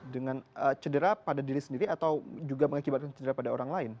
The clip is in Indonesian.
dengan cedera pada diri sendiri atau juga mengakibatkan cedera pada orang lain